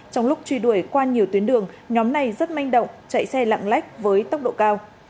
trong lúc truy đuổi qua nhiều tuyến đường nhóm này rất manh động chạy xe lạng lách với tốc độ cao